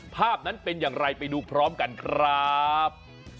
ภาพนั้นเป็นอย่างไรไปดูพร้อมกันครับ